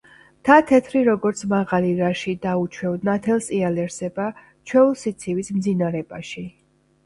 მთა თეთრი როგორც მაღალი რაში და უჩვევ ნათელს ეალერსება ჩვეულ სიცივის მძინარებაში